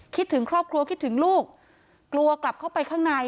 ถึงครอบครัวคิดถึงลูกกลัวกลับเข้าไปข้างใน